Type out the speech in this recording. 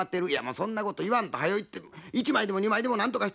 そんなことを言わんと早行って１枚でも２枚でも何とかして。